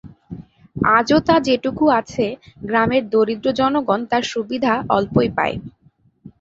আজও তা যেটুকু আছে গ্রামের দরিদ্র জনগণ তার সুবিধা অল্পই পায়।